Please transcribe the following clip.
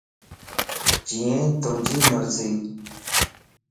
جيئي توجي مرضي